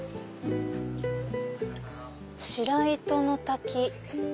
「白糸の滝」。